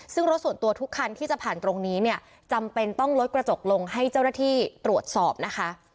ซึ่งรถส่วนตัวทุกคันที่จะผ่านตรงนี้เนี่ยจำเป็นต้องลดกระจกลงให้เจ้าหน้าที่ตรวจสอบนะคะ